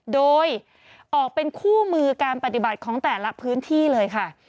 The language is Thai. โดยออกเป็นคู่มือการปฏิบัติของแต่ละพื้นที่เลยค่ะ